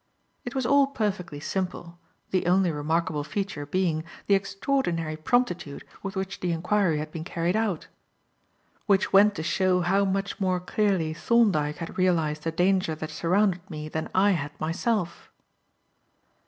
It was all perfectly simple, the only remarkable feature being the extraordinary promptitude with which the inquiry had been carried out. Which went to show how much more clearly Thorndyke had realized the danger that surrounded me than I had myself.